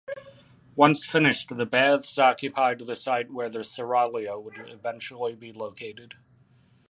Once finished the baths occupied the site where the seraglio would eventually be located.